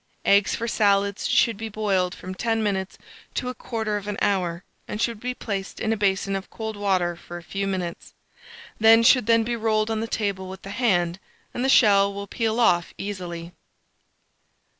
Eggs for salads should be boiled from 10 minutes to 1/4 hour, and should be placed in a basin of cold water for a few minutes; they should then be rolled on the table with the hand, and the shell will peel off easily.